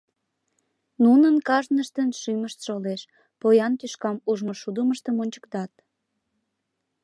Нунын кажныштын шӱмышт шолеш, поян тӱшкам ужмышудымыштым ончыктат.